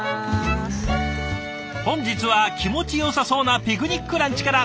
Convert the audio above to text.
本日は気持ちよさそうなピクニックランチから。